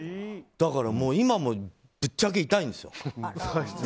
だから、今もぶっちゃけ痛いんですよ。